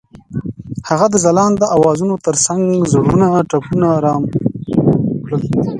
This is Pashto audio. هغې د ځلانده اوازونو ترڅنګ د زړونو ټپونه آرام کړل.